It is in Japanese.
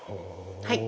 はい。